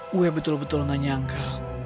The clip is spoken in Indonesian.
gue betul betul gak nyangka